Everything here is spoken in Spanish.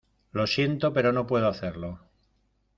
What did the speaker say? lo siento, pero no puedo hacerlo